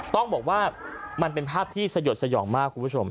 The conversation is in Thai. ต้องบอกว่ามันเป็นภาพที่สยดสยองมากคุณผู้ชม